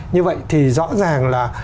như vậy thì rõ ràng là